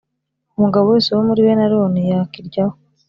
Umugabo wese wo muri bene Aroni yakiryaho